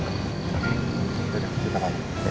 udah udah kita pamit